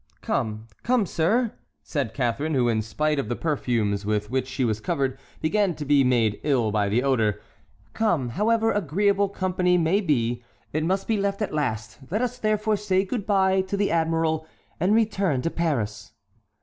"Come, come, sir!" said Catharine, who, in spite of the perfumes with which she was covered, began to be made ill by the odor. "Come, however agreeable company may be, it must be left at last; let us therefore say good by to the admiral, and return to Paris."